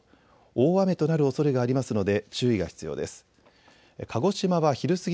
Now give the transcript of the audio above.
大雨となるおそれがありますので注意が必要です。